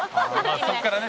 そこからね